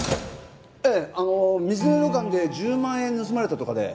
ええあの水根旅館で１０万円盗まれたとかで。